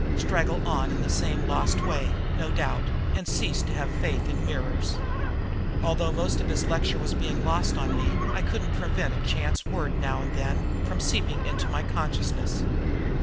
Straggle on in the same lost way, no doubt, and cease to have faith in mirrors. Although most of his lecture was being lost on me I couldn't prevent a chance word now and then from seeping into my consciousness.